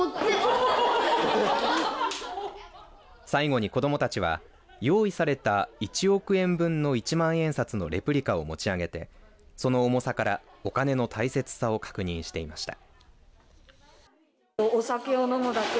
最後に子どもたちは用意された１億円分の１万円札のレプリカを持ち上げてその重さからお金の大切さを確認していました。